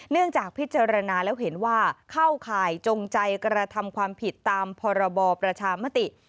เนื่องจากพิจารณาแล้วเห็นว่าเข้าข่ายจงใจกระทำความผิดตามพรบประชามติ